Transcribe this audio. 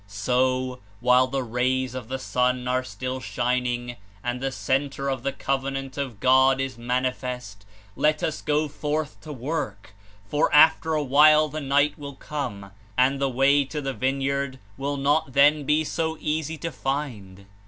So, while the rays of the Sun are still shining and the ^Center of the Covenant of God' is manifest, let us go forth to work; for after a while the night will come and the way to the Vine yard will not then be so easy to find.